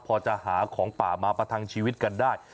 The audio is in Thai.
พอจะหาของป่ามาประทังชีวิตกันได้